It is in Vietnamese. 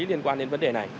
liên quan đến vấn đề này